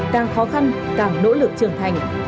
càng khó khăn càng nỗ lực trưởng thành